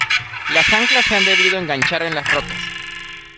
las anclas se han debido enganchar en las rocas.